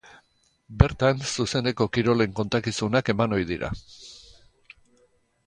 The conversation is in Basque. Bertan zuzeneko kirolen kontakizunak eman ohi dira.